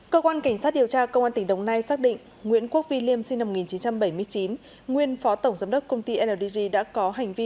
cơ quan cảnh sát điều tra công an tỉnh đồng nai xác định nguyễn quốc vy liêm sinh năm một nghìn chín trăm bảy mươi chín nguyên phó tổng giám đốc công ty ldg đã có hành vi